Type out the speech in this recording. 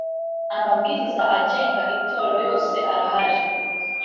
amabwiriza agenga itorero yose arahari.